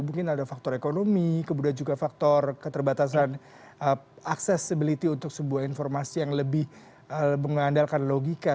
mungkin ada faktor ekonomi kemudian juga faktor keterbatasan accessibility untuk sebuah informasi yang lebih mengandalkan logika